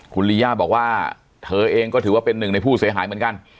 คุณลีย่าบอกว่าเธอเองก็ถือว่าเป็นหนึ่งในผู้เสียหายเหมือนกัน